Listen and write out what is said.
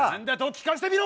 聞かせてみろ！